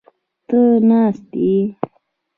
ته ناست یې؟